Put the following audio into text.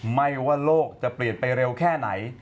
ไม่ว่าโลกจะเปลี่ยนไปเร็วแค่ไหน